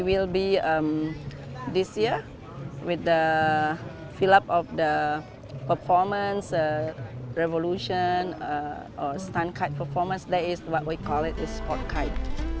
itu yang kita sebut sebagai kain sport